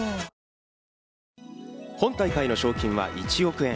本大会の賞金は１億円。